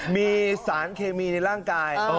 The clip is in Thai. มีสารเคมีในร่างกาย